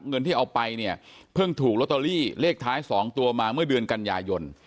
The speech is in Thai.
เงินที่เอาไปเนี่ยเพิ่งถูกลอตเตอรี่เลขท้าย๒ตัวมาเมื่อเดือนกันยายน